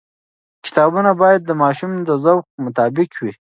کتابونه باید د ماشوم د ذوق مطابق وي.